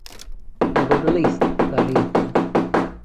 They were released that evening.